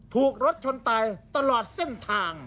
ถูกรถชนตายตลอดเส้นทาง